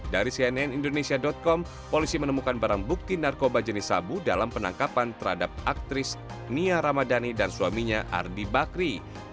dari cnn indonesia com polisi menemukan barang bukti narkoba jenis sabu dalam penangkapan terhadap aktris nia ramadhani dan suaminya ardi bakri